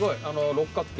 六角形？